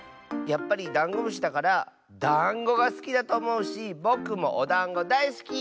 やっぱりダンゴムシだからだんごがすきだとおもうしぼくもおだんごだいすき。